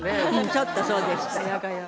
ちょっとそうでした。